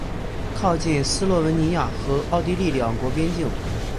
靠近斯洛文尼亚和奥地利两国边境。